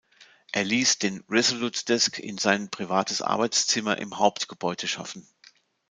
Er ließ den Resolute Desk in sein privates Arbeitszimmer im Hauptgebäude schaffen.